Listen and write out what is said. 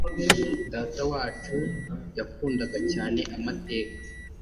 Datawacu ysakundaga cyane amateka.